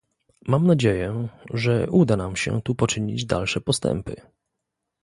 Mam nadzieję, że uda nam się tu poczynić dalsze postępy